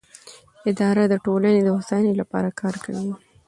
اداره د ټولنې د هوساینې لپاره کار کوي.